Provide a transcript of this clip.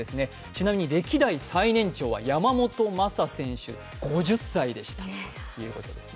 ちなみに歴代最年長は山本昌選手、５０歳でした。